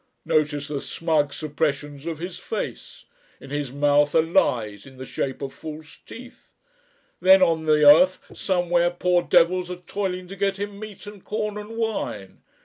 Notice the smug suppressions of his face. In his mouth are Lies in the shape of false teeth. Then on the earth somewhere poor devils are toiling to get him meat and corn and wine.